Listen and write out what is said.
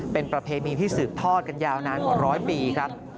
เป็นประเพณีที่สืบทอดกันยาวนานกว่าร้อยปีครับ